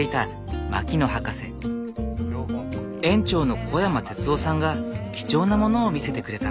園長の小山鐵夫さんが貴重なものを見せてくれた。